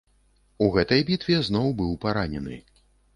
У гэтай бітве зноў быў паранены.